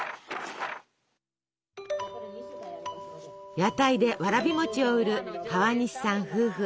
屋台でわらび餅を売る川西さん夫婦。